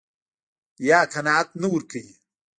يا قناعت نه ورکوي.